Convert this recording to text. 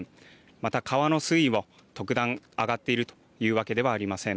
また川の水も特段、上がっているというわけではありません。